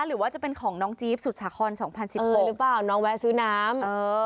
หรือว่าจะเป็นของน้องจี๊บสุดสาคร๒๐๑๐เคยหรือเปล่าน้องแวะซื้อน้ำ